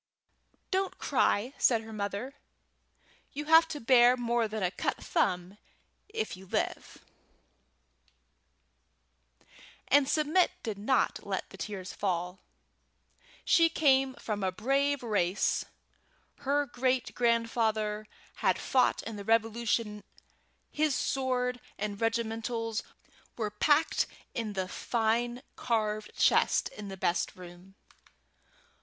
"Don't cry!" said her mother. "You'll have to bear more than a cut thumb if you live." [Illustration: "How much do you suppose our turkey weighs?"] And Submit did not let the tears fall. She came from a brave race. Her great grandfather had fought in the Revolution; his sword and regimentals were packed in the fine carved chest in the best room.